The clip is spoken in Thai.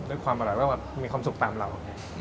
ความอร่อยก็แบบมีความสุขตามเรา